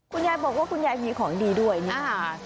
คุณยายบอกว่าคุณยายมีของดีด้วยนี่ค่ะ